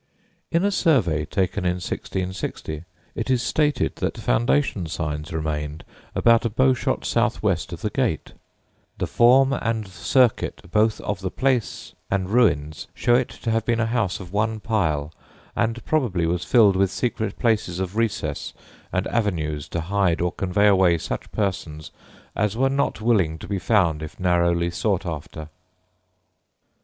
[Illustration: STAIRCASE, BROUGHTON HALL] In a survey taken in 1660, it is stated that foundation signs remained about a bow shot southwest of the gate: "_The form and circuit both of the place and ruins show it to have been a house of one pile, and probably was filled with secret places of recess and avenues to hide or convey away such persons as were not willing to be found if narrowly sought after.